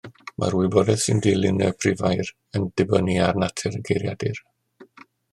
Mae'r wybodaeth sy'n dilyn y prifair yn dibynnu ar natur y geiriadur.